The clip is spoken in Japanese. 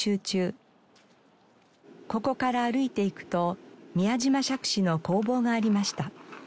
ここから歩いていくと宮島杓子の工房がありました。